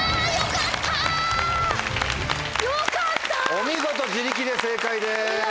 お見事自力で正解です。